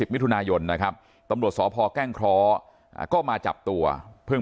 ๒๐วิทยุนายนต์นะครับตำรวจสพแก้งคร้อก็มาจับตัวเพิ่ง